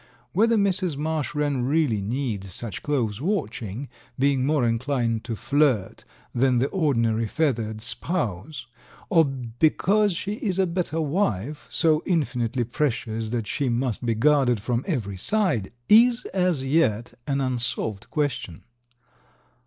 Whether Mrs. Marsh Wren really needs such close watching, being more inclined to flirt than the ordinary feathered spouse, or because she is a better wife, so infinitely precious that she must be guarded from every side, is, as yet, an unsolved question.